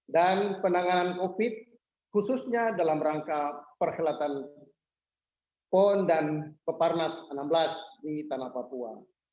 dan penanganan covid sembilan belas khususnya dalam rangka perhelatan pon dan peparnas enam belas di tanah papua